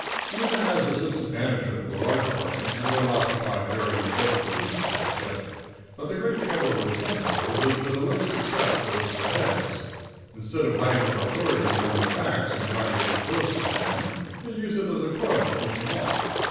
Even as assistant manager of the lard department, you don't occupy a very important position with us yet. But the great trouble with some fellows is that a little success goes to their heads. Instead of hiding their authority behind their backs and trying to get close to their men, they use it as a club to keep them off.